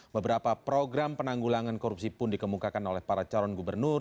beberapa program penanggulangan korupsi pun dikemukakan oleh para calon gubernur